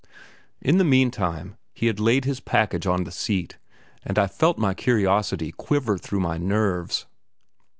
In the meantime, he had laid his package on the seat, and I felt my curiosity quiver through my nerves.